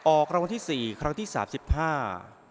ออกรางวัลที่สี่ครั้งที่สามสิบห้า